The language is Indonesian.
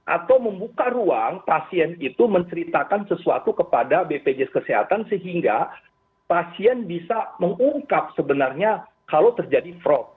atau membuka ruang pasien itu menceritakan sesuatu kepada bpjs kesehatan sehingga pasien bisa mengungkap sebenarnya kalau terjadi fraud